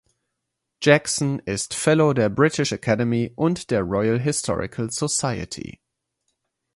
Jackson ist Fellow der British Academy und der Royal Historical Society.